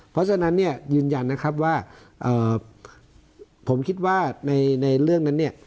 เพราะฉะนั้นยืนยันว่าผมคิดว่าในเรื่องนั้น